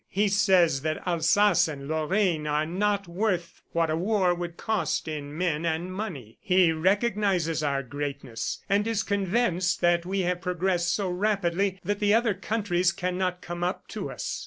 He says that Alsace and Lorraine are not worth what a war would cost in men and money. ... He recognizes our greatness and is convinced that we have progressed so rapidly that the other countries cannot come up to us.